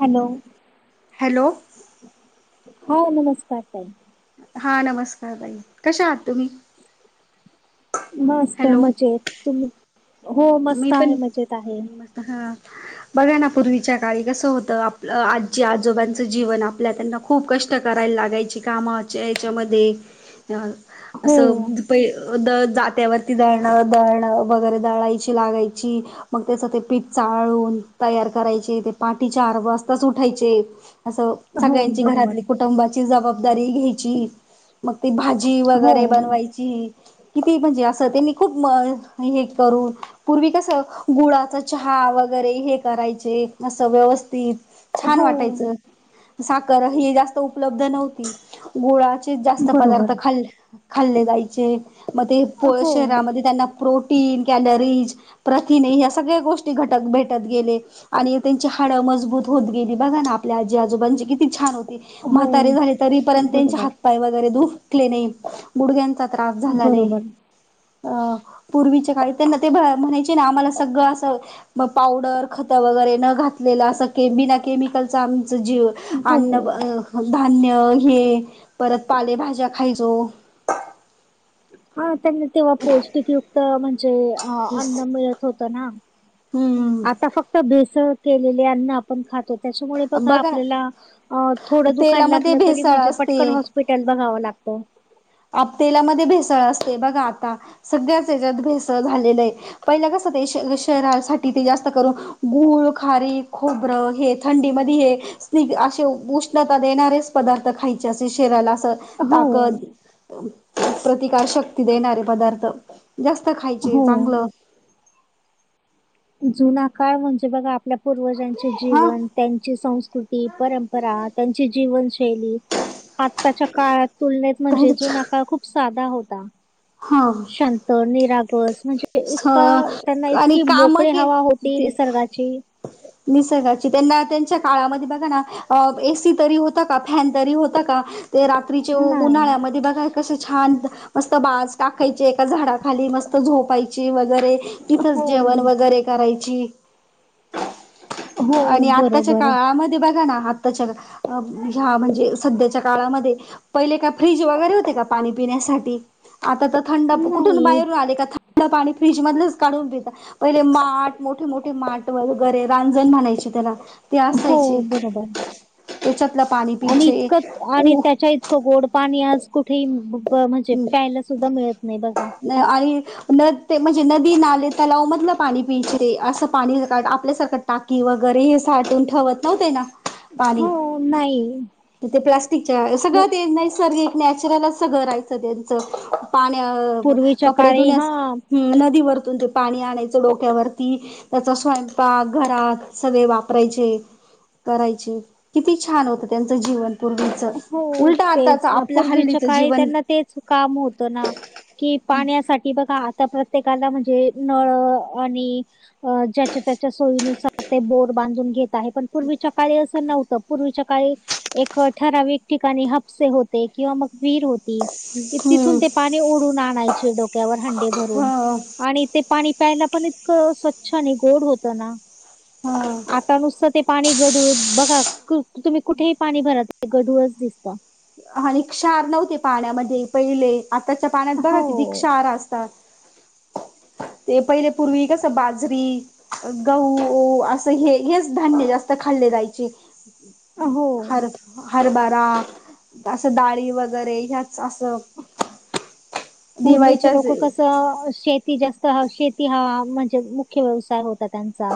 Hello. Hello. हा नमस्कार साई. हा नमस्कार ताई कशा आहात तुम्ही? मस्त हॅलो मजेत तुम् मी पण मत ह. बघा ना पूर्वीच्या काळी कसं होतं आप आजी आजोबांचं जीवन आपल्या त्यांना खूप कष्ट करायला लागायची कामा याच्यामध्ये हो असं प द जात्यावरती दळण दळण वगैरे दळायची. चलागयची. मग त्याचं ते पीठ चाळून तयार करायचे ते पाठी चार वाजताच उठायचे. असं हो सगळ्यांची बरोबर घरातली कुठ? कुटुंबाची जबाबदारी घ्यायची मग ती भाजी हो वगैरे बनवायची. किती म्हणजे असं त्यांनी खूप हे करून पूर्वी कसं गुळाच चहा वगैरे हे करायचे असं व्यवस्थित छान हो वाटायचं साखर हे जास्त उपलब्ध नव्हती. गोळाचे जास्त बरोबर पदार्थ खाल् खाल्ले जायचे मग ते पोळ हो शहरामध्ये त्यांना प्रोटीन कॅलरीज प्रथिने या्या सगळ्या गोष्टी घटक भेटत गेले. आणि त्यांची हाडं मजबूत होत गेली बघा ना आपल्या आजी आजोबांची किती छान हो. हो म्हातारे झाले तरीपर्यंत त्यांचे बरोबर हातपाय वगैरे ुखले नाही गुडघ्या. त्रास झाला नाही बरोबर पूर्च्या काळी त्यां ते म्हणायची ना आम्हाला सगळं असं. मग पावडर खत वगैरे न घातलेलं असं बिना केमिकलच आमच जीव अन्न हो धान्य हे परत पालेभाज्या खायचो. ह त्यांना तेव्हा पौष्टिक युक्त म्हणजे अन्न मिळत होतं ना. हम्म आता फक्त भेसळ केलेली अन्न. खातो त्याच्यामुळे बघा आपल्याला थोडं दुखायला तेलामध्ये लागलं तरी भेसळ म्हणजे पटन असते होस. पिटन बघावं लागतो. आप तेलामध्ये भेसळ असते बघा आता सगळ्याच याच्यात भेसळ झालेलं आहे. पहिलं कस ते शहरासाठी ते जास्त करून गूळ खारी खोबरं हे थंडीमध्ये हे. असे उष्णता देणारेच पदार्थ खायचे असे शरीराला असं. हो ताकद प्रतिकार शक्ती देणारे पदार्थ जास्त खायचे हो. चांगलं. जुना काळ म्हणजे बघा आपल्या पूर्वजांचे हा जीवन त्यांची संस्कृती परंपरा त्यांची जीवनशैली आत्ताच्या काळात तुलनेत काही म्हणजे जुना काळ खूप साधा होता. हा शांत निरागस म्हणजे एक काळ त्यांना आणि इतकी काम मोकळी के हवा होती ते निसर्गाची निसर्गाची त्यांना त्यांच्या काळामध्ये बघा ना. अ एसी तरी होता का फॅन तरी होता का ते रात्रीचे नाही. उन्हाळ्यामध्ये बघा. कस छान मस्त बाज टाकायची एका झाडाखाली मस्त झोपायचे वगैरे तिथंच हो, जेवण वगैरे करायची. हो. आणि आत्ताच्या बरोबर. काळामध्ये बघा ना आत्ताच्या ह्या म्हणजे सध्याच्या काळामध्ये पहिले का फ्रीज वगैरे होते का पाणी पिण्यासाठी आता तर थंड कुठून नाही. बाहेरून आले का? थड पाणी फ्रीज मधच काढून पिता पहिले माठ मोठे मोठे माट वगैरे रांजण म्हणायचे कस त्याला ते हो असायचे बरोबर आहे. त्याच्यातलं पाणी आणि पियचे इतकं आणि उ त्याच्या इतकं गोड पाणी आज कुठे म्हणजे प्यायला सुद्धा मिळत नाही बघा. न आई न ते म्हणजे नदी नाले तलव मधला पाणी पिंचरे असं पाणी आपल्यासारखं टाकी वगैर घरी साठून ठेवत नव्हते ना पाणी. हो, नाही. तर ते प्लास्टिकच्या हो. सगळं ते नैसर्ग नॅचरल असं रायचं त्यांचं. पाण्या पूर्वीच्या कपडे काळी हा धुण्यास ह नदीवरतून ते पाणी आणायचं डोक्यावरती त्याचा स्वयंपाक घरात वापराय करायचे किती छान होत त्यांचं जीवन. पूर्वीच हो उलटा आताच तेच ना आपल्या पूर्वीच्या हल्लीचं काळी जीवन त्यांना तेच काम होतं ना. कि पाण्यासाठी बघा आता प्रत्येकाला म्हणजे नळ आणि अ ज्याच्या त्याच्या सोयीनुसार ते बोर बांधून घेत आहे पण पूर्वीच्या काळी असं नव्हतं. पूर्वीच्या काळी एक ठराविक ठिकाणी हापसे होते किंवा मग विहीर होती तिथून हम्म ते ओडून आणायचे डोक्यावर हंडे ह भरून. आणि ते पाणी प्यायला पण इतकं स्वच्छ आणि गोड होतं ना. ह आता नुसतं ते पाणी गढूळ बघा तुम्ही कुठेही पाणी भरा ते गडूळच दिसत. आणि क्षार नव्हते पाण्यामध्ये पहिले. आताच्या पाण्यात बघा किती हो क्षारा असतात. ते पहिले पूर्वी कस बाजरी गहु असं हे हेच धान्य जास्त खाल्ले जायचे. हो हर हरभरा असं डाळी वगैरे ह्याच असं पूर्वीचे दिवाळीच्या लोक कसं शेती जास्त शेती ह म्हणजे मुख्य व्यवसाय होता. त्यांचा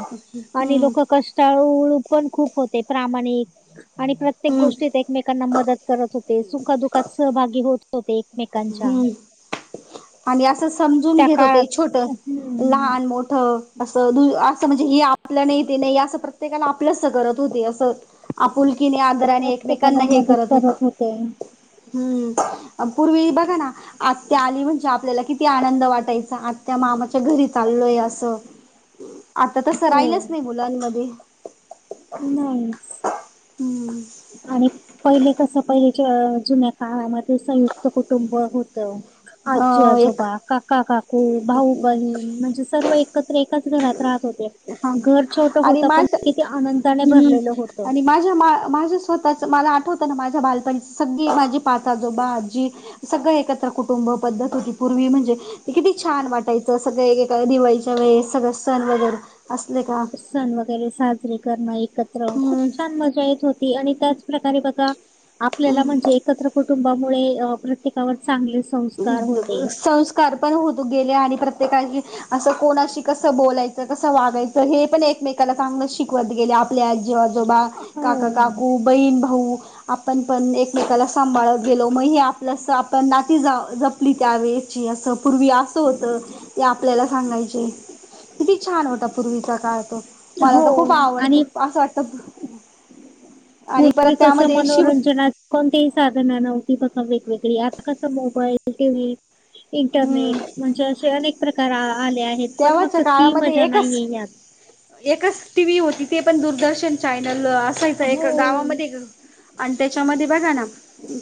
आणि हम्म लोक कष्टाळु पण खूप होते प्रामाणिक आणि प्रत्येक हम्म गोष्टीत एकमेकांना मदत करत होते सुखदुखात सहभागी होत होते एकमेकांच्या. हम्म आणि असं समजून त्या घेत होते काळात छोट हम्म लहान मोठं असं द असं म्हणजे हे आपलं नाही ते नाही असं प्रत्येकाला आपलस करत होते असं. आपुलकीने आदराने एकमेकांना हे करत होते. हम्म पूर्वी बघा ना आत्या आली म्हण आपल्याला किती आनंद वाटायचा आज त्या मामाच्या घरी चाललोय असं. आता तसं हो राहिलंच नाही मुलांमध्ये. नाहीच हम्म. आणि पहिले कस पहिलेच्या जुन्या काळामध्ये संयुक्त कुटुंब होतं आजी ह एक आजोबा काका काकू भाऊ बहीण म्हणजे सर्व एकत्र एकाच घरात राहत होते. हा घर छोटं आणि होतं पण माझ किती आनंदाने हम्म भरलेलं होतं. आणि माझ्या माझ्या स्वतःच मला आठवतं ना माझ्या बालपणीची सगळी माझी पाचजोबा आजी सगळं एकत्र कुटुंब पद्धत होती पूर्वी म्हणजे ते किती छान वाटायचं सगळ दिवाळीच्या वेळेस सगळं सण वगैरे असले का सण वगैरे साजरे करणं एकत्र खूप हम्म छान मजा येत होती आणि त्याचप्रकारे बघा आपल्याला हम्म म्हणजे एकत्र कुटुंबामुळे प्रत्येकावर चांगले संस्कार होते. संस्कार पण होत गेले आणि प्रत्येकाची असं कोणाशी कसं बोलायचं कसं वागायचं हे पण एक एकमेकाला चांगलं शिकवत गेले आपल्या आजीआजोबा काका हो. काकू बहीण भाऊ आपण पण एकमेकाला सांभाळत गेलो म हे आपलंस आपण नाच ज जपली त्यावेळेची अस पूर्वी असं होत ते आपल्याला सांगायचे. किती छान होता पूर्वीचा काळ तो, मला हो तर खूप आवडतो आणि असं वाटत पूर्वी कसं मनोरंजनात कोणतीही साधना नव्हती बघा वेगवेगळी आता कसं मोबाईल टीव्ही. हम्म इंटरनेट म्हणजे असे अनेक प्रकार आले आहेत पण मग तेव्हाच्या क ती काळामध्ये मजा एकच नाहीये यात. एकच टीव्ही होती ते पण दूरदर्शन चॅनल असायचं एक हो, गावामध्ये आणि त्याच्यामध्ये बघा ना.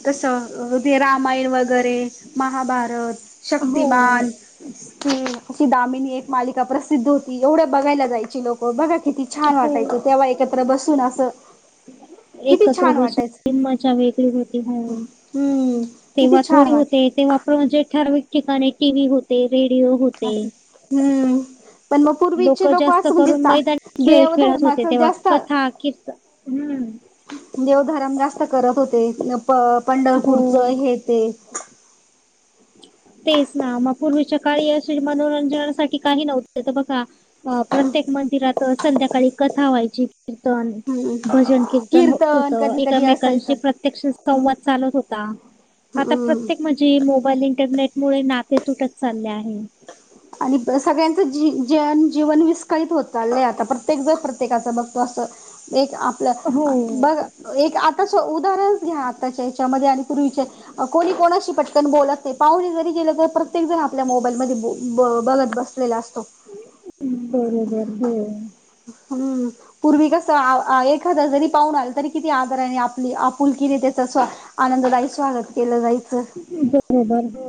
तसं रामाय वगैरे महाभारत हो, शक्तिमान. अशी दामिनी एक मालिका प्रसिद्ध होती एवढ्या बघायला जायची लोकं बघा किती छान हो. वाटायचं तेव्हा एकत्र बसून असं किती एकत्र छान वाटायचं बसून मज्जा वेगळी होती हो, हम्म किती तेव्हा थोडी छान होते वाट तेव्हा प्रोजेक्ट ठरविक ठिकाणी टीव्ही होते, रेडिओ होते. असं हम्म पण मग लोक पूर्वीचे जास्त असं म्हणजे करून मैदानी खेळ खेळत होते देवधर्माच तेव्हा जास्त कथा, कीर्तन हम्म. देवधरम जास्त करत होते प पंढरपूरच हो. हे ते. तेच ना मग पूर्वीच्या काळी अशे मनोरंजनासाठी काही नव्हतं तर बघा अ प्रत्येक मंदिरात संध्याकाळी कथा व्हायची कीर्तन हम्म भजन, कीर्तन होत कधी कधी एकामेकांशी असायचं प्रत्यक्ष संवाद चालत होता. हम्म. जी मोबाईल, इंटरनेट मुळे नाते तुटत चालले आहे. आणि सगळ्यांचं जी जन जीवन विस्कळीत होत चाललंय आता प्रत्येक जर प्रत्येकाचं बघतो असं. एक आपलं हो बघ एक आता उदाहरणच घ्या हे च्यामध्ये आणि पूर्वीच्या कोणी कोणाशी पटकन बोलत नाही पाहुणे जरी गेलं प्रत्येक जण आपल्या मोबाईल मध्ये ब बघत बसलेला असतो. बरोबर हो. हम्म पूर्वी कस आ एखादा जरी पाहून आलं तरी किती आदार ने आपली फुलकिरी त्याच स्वा आनंददायी स्वागत केलं जाई बरोबर हो.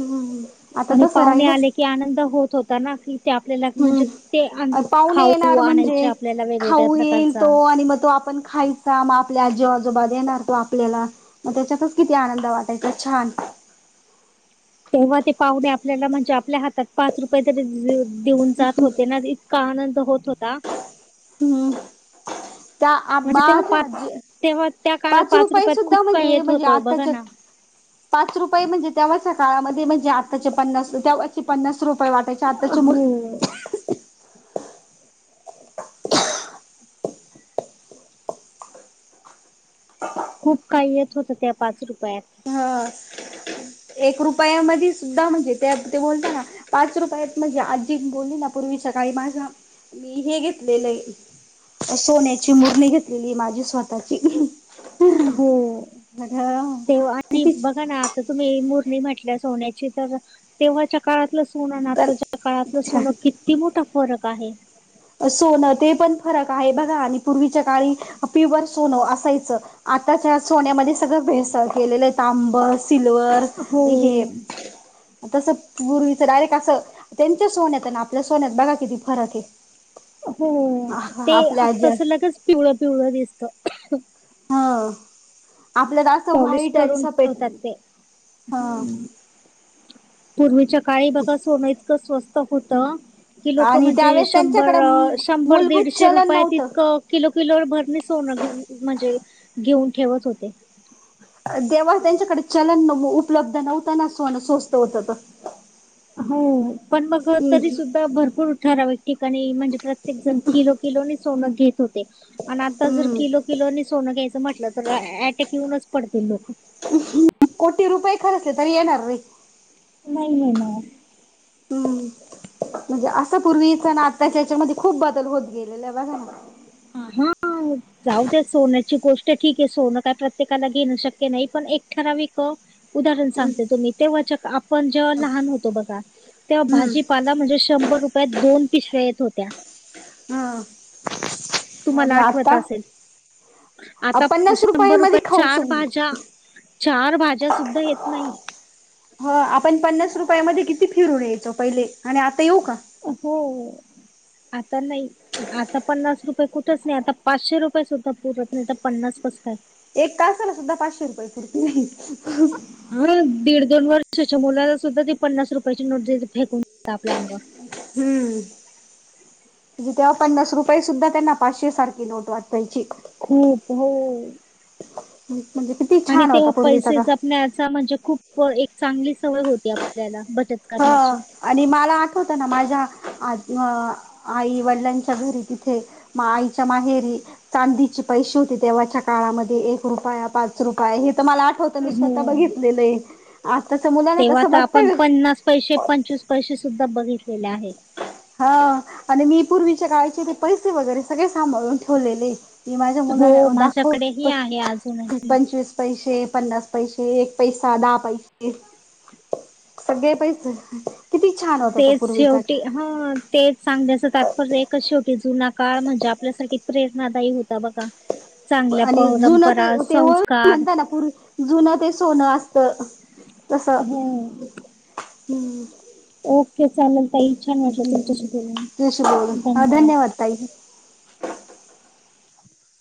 हम्म आ आणि पाहुणे आले की आनंद होत होता ना की ते आपल्याला म्हणजे ते अन, हम्म पाहुणे खाऊ येणार आणायचे म्हणजे आपल्याला वेगवेगळ्या खाऊ येईल प्रकारचा. तो आणि म तो आपण खायचा म आपल्या आजी आजोबा देणार तो आपल्याला. म त्याच्यातच किती आनंद वाटायचा छान. तेव्हा ते पाहुणे आपल्याला म्हणजे आपल्या हातात पाच रुपये तरी देऊन जात होते ना. का आनंद होत होता. हम. म्हणजे तेव्हा पाच तेव्हा त्या काळात पाच रुपये रुपयात खूप सुद्धा काही म्हणजे येत म्हणजे होतं बघा आत्ताच्यात ना पाच रुपये म्हणजे त्याव्हाच्या काळामध्ये म्हणजे आताचे पन्नास त्या [unintelligible] पन्नास रुपये वाटायचे. आत्ताचे मुल हो खूप काही येत होत त्या पाच रुपयात. हा, एक रुपयामध्ये सुद्धा म्हणजे त्यात ते बोलत ना पाच रुपये आहेत म्हणजे आजी बोलली ना पूर्वी सकाळी माझा, मी हे घेतलेलं आहे. सोन्याची मुरणी घेतलेली माझी स्वतःची. हो [unintelligible] आणि किती बघा ना आता तुम्ही मुरणी म्हटल्या सोन्याची तर तेव्हाच्या काळातल सो सोनन पण आताच्या काळातलं सोनं किती मोठा फरक आहे. सोनं ते पण फरक आहे बघा आणि पूर्वीच्या काळी पिवर सोनं असायचं‌. आताच्या सोनमध्ये सगळं भेस केलेलं आहे तांब, सिल्वर, हो हे. तसं गुरुवीचं डायरेक्ट असं,, त्यांच्या सोन्यात आनी आपल्या सोन्यात बघा किती फरक एऽ हो,, ते आजी आत्ताच लगच पिवळ, पिवळं दिसत. ह,, आपल्यात असं पॉलिश वाईट करून असपेट,, ठेवतात ते हं,, पूर्वीच्या काळी बघा सोन इतकं स्वस्त होत,, कि लोकं आणि म्हणजे त्यावेळेस त्यांच्याकडे शंभर, शंभर मूलभूत दीडशे चलन रुपयेत नव्हतं. ईतकंऽ किलो, किलो भर णे सोन म्हणजे,, घेऊन ठेवत होते. तेवा त्यांच्याकडे चलन उपलब्ध नव्हता ना,, सोनं स्वस्त होत तरऽ हो, पण मग तरी सुद्धा भरपूर उ ठारावेऽ ठिकाणी,, म्हणजे प्रत्येक जण किलो, किलो नेसोन घेत होते. आणि आता जर हम्म किलो, किलो ने सोनं घ्यायचं म्हटलं,, तर अटॅक येऊनच पडतील लोकंऽ कोटी रुपये खरचले तरी येणार नै,, नाही नाही म हम्म म्हणजे असा पूर्वीच ना आताच्याच्यामध्ये खूप बदल होत गेलेला ब हा. जाऊ द्या सोन्याची गोष्ट ठीक आहे,, सोनं का प्रत्येकाला घेणं शक्य नाही,, पण एक खरा वऽ उदाहरण हम्म सांगते, तुम्ही, तेव्हा आपण जेव्हा लहान होतो बघा,, तेव्हा हम्म भाजीऽ म्हणजे शंभर रुपयात दोन पिशव्या एत होत्या. हम्म तुम्हाला आणि आठवत आता असेल, आता पन्नास रुपये शंभर मध्ये रुपयात खाऊ चार भाज्याऽ चार भाज्या सुद्धा येत नाही. ह,, आपण पन्नास रुपयामध्ये किती फिरून यायचो पहिले,, आणि आता येऊ का? हो,, आता नाही. आता पन्नास रुपये कुठच नाही,, आता पाचशे रुपये सुद्धा पुरत नाही तर पन्नास कस काय? एक कासाला सुद्धा पाचशे रुपये पुरती नाही,, हा, दीड दोन वर्षाच्या मुलाला सुद्धा ते पन्नास रुपयाची नोट दिली तर फेकून देतात आपल्या आंगावर? हम्म म्हजे तेव्हा पन्नास रुपये सुद्धा, त्यांना पाचशे सारखी नोट वाटायची. खूप, होऽ ह, म्हणजे कऽ आणि तेव्हा पैसे जपण्याचा,, म्हणजे खूप, एक चांगली सवय होती आपल्याला,, बचतऽ हं,, आणि मला आठवतं ना माझ्या आऽ आई वडिलांच्या घरी तिथे,, आईच्या माहेरीऽ चांदीचे पैसे होते तेव्हाच्या काळामध्ये,,, एक रुपया, पाच रुपये हे तर मलाऽ होतं, मी स्वतः हो. बघितलेलंय, आताच मुलांना तेव्हा तसं तर आपण बघतय काऽ पैसे, पंचवीस पैसे सुद्धा बघितलेले आहे. हां,, आणि मी पूर्वीच्या काळाचे ते पैसे वगैरे सगळे सांभाळून ठेवलेलेऽ ती माझ्या हो, मुला दाखव,, माझ्याकडेही आहे अजूनही. पंचवीस,, पैसे,, पन्नास पैसे,, एक पैसा,, दहा पैसे,, सगळे पैसे,, किती छान होता तो तेच पूर्वीचा शेवटी काऽ हां,, तेच सांगल्याच तात्पर्य एकच शेवटी जुनाऽ काळ म्हणजे आपल्यासारखी प्रेरणादायी होता बघा. चांगल्या आणि जुनं ते परंपरा, तेव संस्कार म्हणता ना पुर्वी, जुन ते सोनं असतऽ हम्, हम्म, चालेल ताई, छान वाटलं तुमच्याशी बोलून. तश बोलत, धन्य हा धन्यवाद ताई.